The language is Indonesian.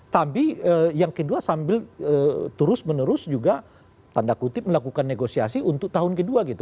tapi yang kedua sambil terus menerus juga tanda kutip melakukan negosiasi untuk tahun kedua gitu